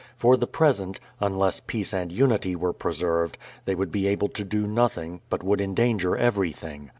For the present, unless peace and unity were preserved, they would be able to do nothing, but would endanger everything.